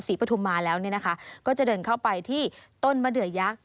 ปฐุมมาแล้วเนี่ยนะคะก็จะเดินเข้าไปที่ต้นมะเดือยักษ์